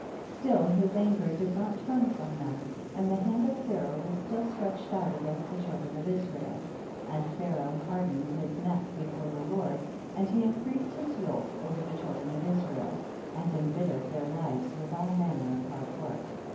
27. Still his anger did not turn from them, and the hand of Pharaoh was still stretched out against the children of Israel, and Pharaoh har dened his neck before the Lord, and he increased his yoke over the child ren of Israel, and embittered their lives with all manner of hard work.